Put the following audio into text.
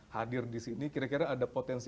hadir disini kira kira ada potensi